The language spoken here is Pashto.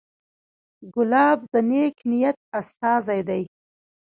ګلاب د نیک نیت استازی دی.